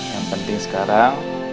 yang penting sekarang